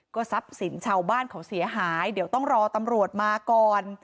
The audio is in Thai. ทรัพย์สินชาวบ้านเขาเสียหายเดี๋ยวต้องรอตำรวจมาก่อน